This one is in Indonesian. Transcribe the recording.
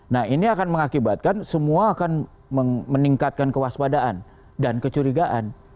nah ini akan mengakibatkan semua akan meningkatkan kewaspadaan dan kecurigaan